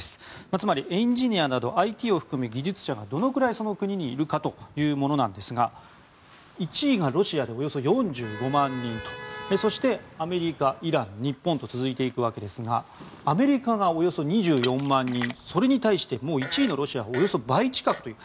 つまりエンジニアなどＩＴを含む技術者がどのくらいその国にいるかというものなんですが１位がロシアでおよそ４５万人とそしてアメリカ、イラン日本と続いていくわけですがアメリカがおよそ２４万人それに対して、１位のロシアはおよそ倍近くという。